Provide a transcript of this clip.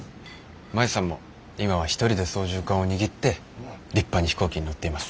舞さんも今は一人で操縦かんを握って立派に飛行機に乗っています。